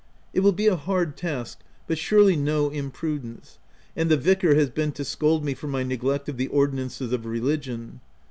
It will be a hard task, but surely no imprudence ; and the vicar has been to scold me for my neglect of the ordinances of religion.